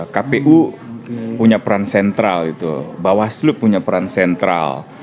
kpu punya peran sentral bawah slup punya peran sentral